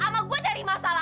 sama gue cari masalah